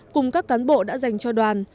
cùng các cán bộ đã dành cho đoàn